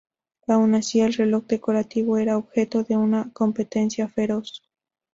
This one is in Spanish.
Aun así, el reloj decorativo era objeto de una competencia feroz.